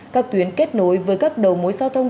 các tuyến kết nối với các đầu mối giao thông